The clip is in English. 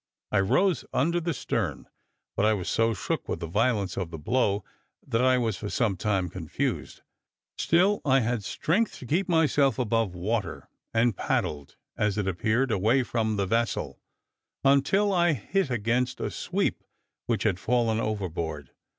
I rose under the stern; but I was so shook with the violence of the blow, that I was for some time confused; still I had strength to keep myself above water, and paddled, as it appeared, away from the vessel, until I hit against a sweep which had fallen overboard.